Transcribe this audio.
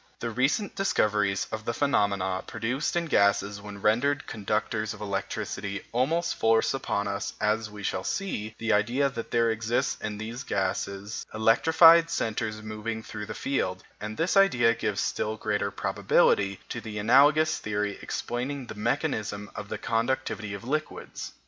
The recent discoveries on the phenomena produced in gases when rendered conductors of electricity almost force upon us, as we shall see, the idea that there exist in these gases electrified centres moving through the field, and this idea gives still greater probability to the analogous theory explaining the mechanism of the conductivity of liquids.